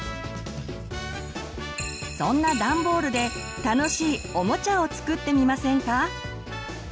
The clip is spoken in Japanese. そんなダンボールで楽しいおもちゃを作ってみませんか？